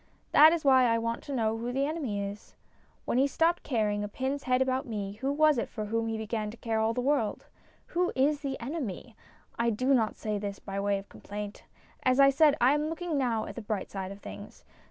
That is why I want to know who the enemy is. When he stopped caring a pin's head about me, who was it for whom he began to care all the world ? Who is the enemy ? I do not say this by way of complaint. As I said, I am looking now at the bright side of things.